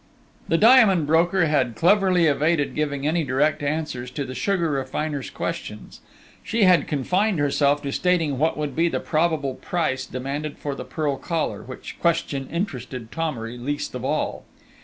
The diamond broker had cleverly evaded giving any direct answers to the sugar refiner's questions: she had confined herself to stating what would be the probable price demanded for the pearl collar which question interested Thomery least of all!